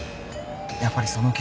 やっぱりその傷。